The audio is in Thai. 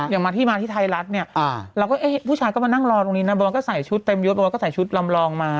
อย่างมาที่มาที่ไทยรัฐเนี่ยพูดว่าผู้ชายก็มานั่งรอตรงนี้นะบางวันก็ใส่ชุดเต็มยกบางวันก็ใส่ชุดลำลองมา